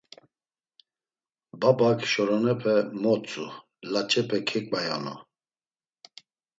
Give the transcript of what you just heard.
Babak şorenepe motzu, laç̌epe keǩvoyonu.